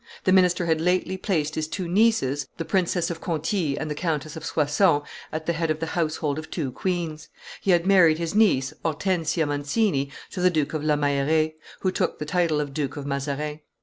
The minister had lately placed his two nieces, the Princess of Conti and the Countess of Soissons, at the head of the household of two queens; he had married his niece, Hortensia Mancini, to the Duke of La Meilleraye, who took the title of Duke of Mazarin.